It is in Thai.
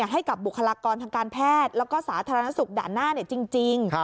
ให้กับบุคลากรทางการแพทย์แล้วก็สาธารณสุขด่านหน้าจริง